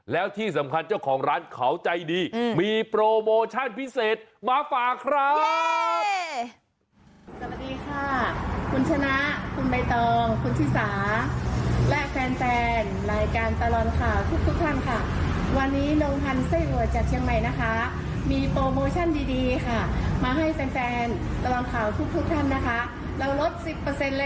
แล้วที่สำคัญเจ้าของร้านเขาใจดีมีโปรโมชั่นพิเศษมาฝากครับ